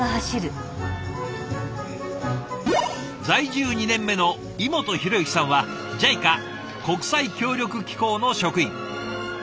在住２年目の井本浩之さんはＪＩＣＡ＝国際協力機構の職員。